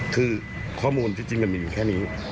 คือข้อมูลที่จริงมีอยู่แค่นี้